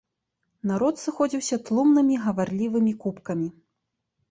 Народ сыходзіўся тлумнымі гаварлівымі купкамі.